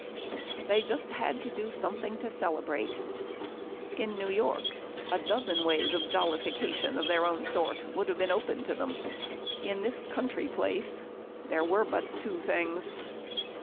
They just had to do something to celebrate. In New York, a dozen ways of jollification of their own sort would have been open to them in this country place, there were but two things.